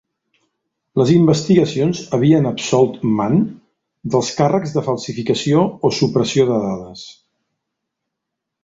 Les investigacions havien absolt Mann dels càrrecs de falsificació o supressió de dades.